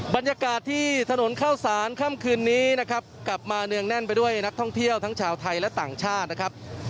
บรรยากาศที่ถนนเข้าสารค่ำคืนนี้นะครับกลับมาเนืองแน่นไปด้วยนักท่องเที่ยวทั้งชาวไทยและต่างชาตินะครับ